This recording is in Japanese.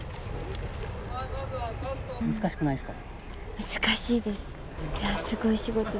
難しくないですか？